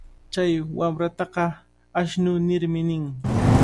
Chay wamrataqa ashnu nirmi nin.